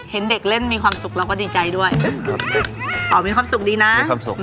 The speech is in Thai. เห็นเด็กเล่นมีความสุขเราก็ดีใจด้วยอ๋อมีความสุขดีนะมีความสุข